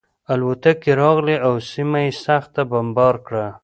الوتکې راغلې او سیمه یې سخته بمبار کړه